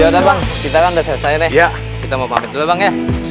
yaudah bang kita kan udah selesain ya kita mau pamit dulu ya bang